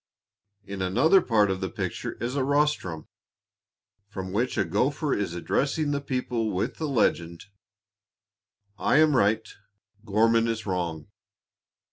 In another part of the picture is a rostrum, from which a gopher is addressing the people with the legend: "I am right; Gorman is wrong."